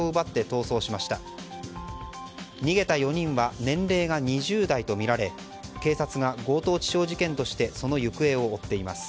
逃げた４人は年齢が２０代とみられ警察が強盗致傷事件としてその行方を追っています。